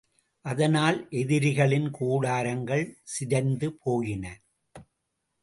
அதனால் எதிரிகளின் கூடாரங்கள் சிதைந்து போயின.